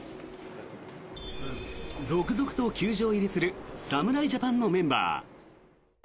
続々と球場入りする侍ジャパンのメンバー。